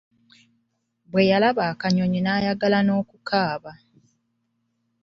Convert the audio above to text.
Bwe yalaba akanyonyi n'ayagala n'okukaaba.